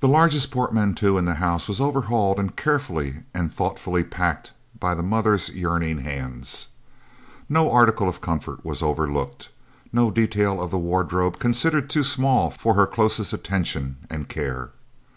The largest portmanteau in the house was overhauled and carefully and thoughtfully packed by the mother's yearning hands. No article of comfort was overlooked, no detail of the wardrobe considered too small for her closest attention and care.